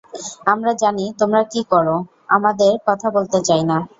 আমরা জানি তোমরা কি করো, আমাদের কথা বলতে চাই না।